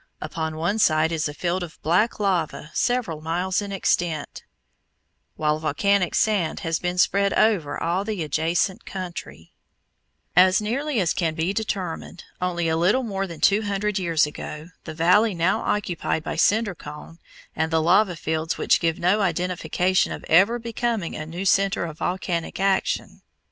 Upon one side is a field of black lava several miles in extent, while volcanic sand has been spread over all the adjacent country. [Illustration: FIG. 27. THE CRATER OF CINDER CONE] As nearly as can be determined, only a little more than two hundred years ago the valley now occupied by Cinder Cone and the lava fields gave no indication of ever becoming a new centre of volcanic action.